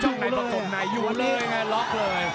ช่องไหนตกตกไหนอยู่เลยไงล๊อคเลย